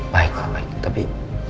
baik baik baik tapi